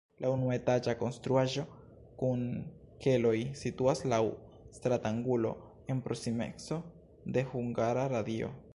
La unuetaĝa konstruaĵo kun keloj situas laŭ stratangulo en proksimeco de Hungara Radio.